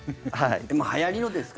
今、はやりのですか？